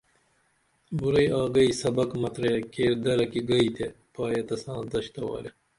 بُرعی آگئی سبق مترے کیر درہ کی گئی تے پائیے تساں دشت تہ ورے